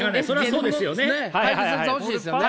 そらそうですよね。